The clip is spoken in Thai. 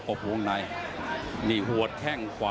เจ็บเจ็บเนอะ